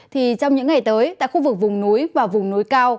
thì trong những ngày tới tại khu vực vùng núi và vùng núi cao